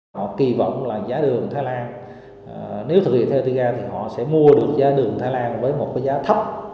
họ kỳ vọng là giá đường thái lan nếu thực hiện theo tư gian thì họ sẽ mua được giá đường thái lan với một giá thấp